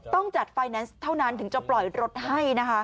ต้องจัดไฟแนนซ์เท่านั้นถึงจะปล่อยรถให้นะคะ